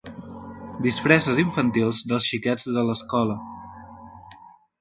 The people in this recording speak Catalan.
Disfresses infantils dels xiquets de l'escola.